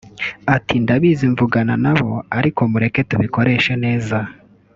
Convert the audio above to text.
Ati “Ndabizi muvugana nabo ariko mureke tubikoreshe neza